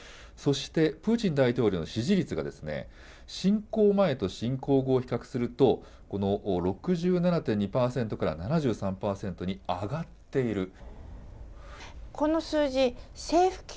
そしてプーチン大統領の支持率が侵攻前と侵攻後を比較すると、６７．２％から７３％に上がっている。